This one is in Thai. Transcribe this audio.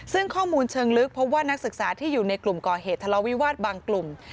ซึ่งข้อมูลเชิงลึกพบว่านักศึกษาที่อยู่ในกลุ่มก่อเหตุทะเลาวิวาสบางกลุ่ม